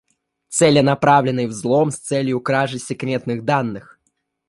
Целенаправленный взлом с целью кражи секретных данных